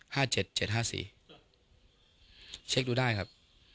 เจ็ดห้าสี่เช็คดูได้ครับ